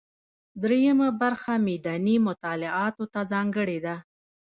درېیمه برخه میداني مطالعاتو ته ځانګړې ده.